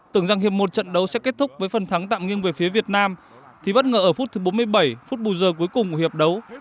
tưởng rằng hiệp một trận đấu sẽ kết thúc với phần thắng tạm ngưng về phía việt nam thì bất ngờ ở phút thứ bốn mươi bảy phút bù giờ cuối cùng của hiệp đấu